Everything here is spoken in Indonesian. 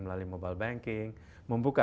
melalui mobile banking membuka